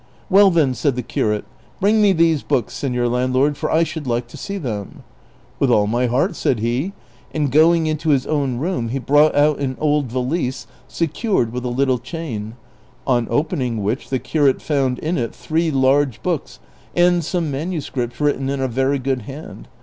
" Well then," said the curate, " bring me these books, senor landlord, for I should like to see them." " With all my heart," said he, and going into his own room he brought out an old valise secured with a little chain, on opening "which the curate found in it three large books and some manuscripts written in a very good hand.